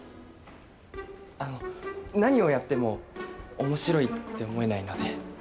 あの何をやっても面白いって思えないので